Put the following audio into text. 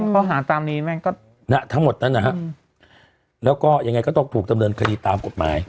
ข้อหาตามนี้แม่งก็ทั้งหมดนั้นนะฮะแล้วก็ยังไงก็ต้องถูกดำเนินคดีตามกฎหมาย